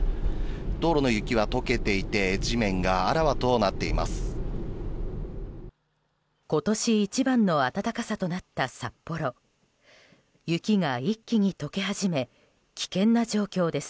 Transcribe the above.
道路の雪は解けていて地面があらわとなっています。